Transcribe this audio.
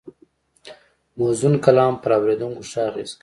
موزون کلام پر اورېدونکي ښه اغېز کوي